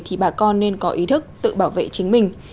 thì bà con nên có ý thức tự bảo vệ chính mình